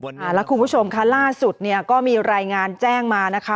แล้วคุณผู้ชมค่ะล่าสุดเนี่ยก็มีรายงานแจ้งมานะคะ